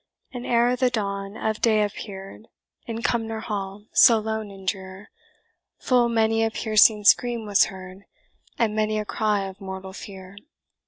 And ere the dawn of day appear'd, In Cumnor Hall, so lone and drear, Full many a piercing scream was heard, And many a cry of mortal fear.